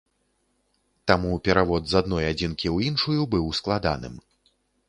Таму перавод з адной адзінкі ў іншую быў складаным.